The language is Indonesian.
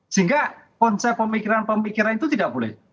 sehingga konsep pemikiran pemikiran itu tidak boleh